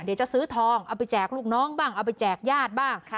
เดี๋ยวจะซื้อทองเอาไปแจกลูกน้องบ้างเอาไปแจกญาติบ้าง